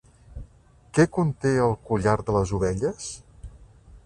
Què conte el collar de les ovelles?